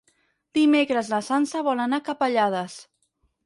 Dimecres na Sança vol anar a Capellades.